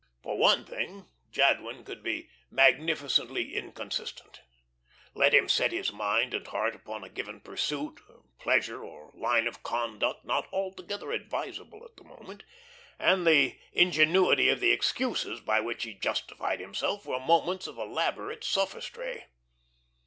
For one thing, Jadwin could be magnificently inconsistent. Let him set his mind and heart upon a given pursuit, pleasure, or line of conduct not altogether advisable at the moment, and the ingenuity of the excuses by which he justified himself were monuments of elaborate sophistry.